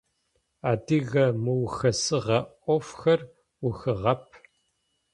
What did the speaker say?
Адыгэ мыухэсыгъэ ӏофхэр ухыгъэп.